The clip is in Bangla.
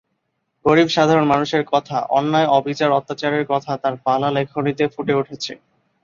গরীব সাধারণ মানুষের কথা, অন্যায় অবিচার অত্যাচারের কথা তার পালা লেখনীতে ফুটে উঠেছে।